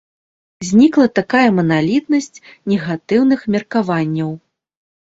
Знікла такая маналітнасць негатыўных меркаванняў.